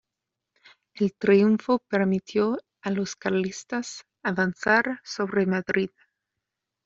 El triunfo permitió a los carlistas avanzar sobre Madrid.